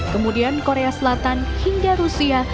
kemudian korea selatan hingga rusia